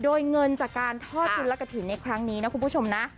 โดยเงินจากการทอดจุลกฐินในครั้งนี้นะคุณผู้ชมนะ